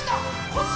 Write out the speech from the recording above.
こっち！